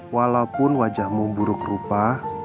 walaupun wajahmu buruk rupa